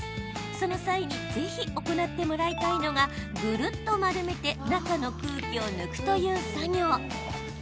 その際に是非行ってもらいたいのがぐるっと丸めて中の空気を抜くという作業。